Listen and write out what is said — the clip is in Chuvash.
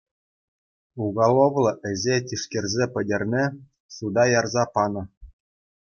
Уголовлӑ ӗҫе тишкерсе пӗтернӗ, суда ярса панӑ.